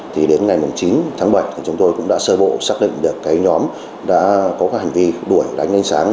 thì đến ngày chín tháng bảy thì chúng tôi cũng đã sơ bộ xác định được cái nhóm đã có các hành vi đuổi đánh ánh sáng